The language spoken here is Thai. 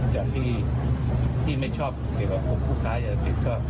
แจ่งที่ไม่ชอบผู้ค้ายาเสพติด